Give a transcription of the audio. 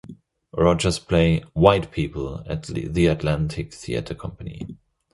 Roger's play "White People" at the Atlantic Theatre Company.